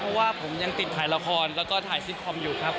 เพราะว่าผมยังติดถ่ายละครแล้วก็ถ่ายซิตคอมอยู่ครับ